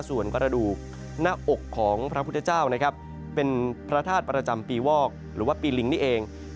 ส่วนกระดูกหน้าอกของพระพุทธเจ้านะครับเป็นพระธาตุประจำปีวอกหรือว่าปีลิงนี่เอง